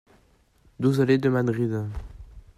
douze allée de Madrid